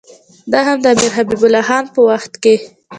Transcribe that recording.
دا هم د امیر حبیب الله خان په وخت کې.